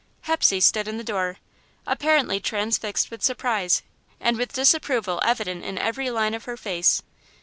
Hepsey stood in the door, apparently transfixed with surprise, and with disapproval evident in every line of her face.